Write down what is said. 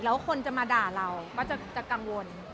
แล้วคนจะมาด่าเราก็จะกังวล